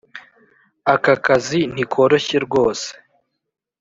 Aka kazi ntikoroshye rwose